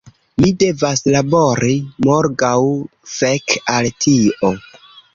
Mi devas labori morgaŭ, fek' al tio!